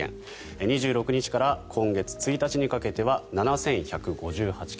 ２６日から今月１日にかけては７１５８件。